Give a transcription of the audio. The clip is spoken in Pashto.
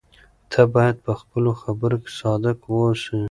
ته باید په خپلو خبرو کې صادق واوسې.